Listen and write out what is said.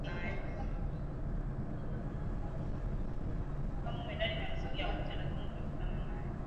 kama huendani na misingi ya kocha lazima utavutana naye